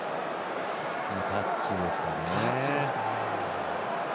タッチですかね。